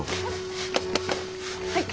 はい。